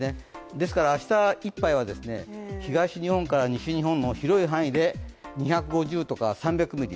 ですから明日いっぱいは東日本から西日本の広い範囲で、２５０とか３００ｍｍ